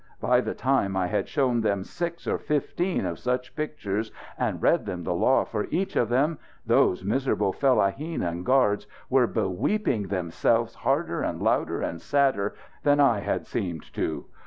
By the time I had shown them six or fifteen of such pictures and read them the law for each of them, those miserable fellaheen and guards were beweeping themselfs harder and louder and sadder than I had seemed to.